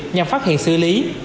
nhằm phát hiện xử lý